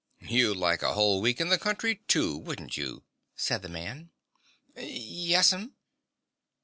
"You'd like a whole week in the country, too, wouldn't you?" said the man. "Yes'm."